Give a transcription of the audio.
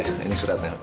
oh iya ini suratnya